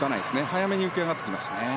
早めに浮きあがってきますね。